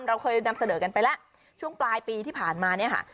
เราเคยนำเสนอกันไปแล้วช่วงปลายปีที่ผ่านมาเนี่ยค่ะ